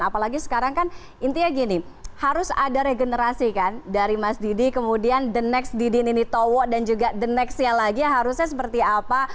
apalagi sekarang kan intinya gini harus ada regenerasi kan dari mas didi kemudian the next didi ninitowo dan juga the nextnya lagi harusnya seperti apa